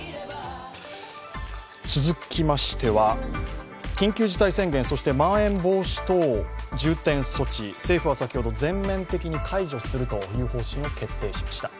続きましては、緊急事態宣言、まん延防止等重点措置政府は先ほど全面的に解除するという方針を決定しました。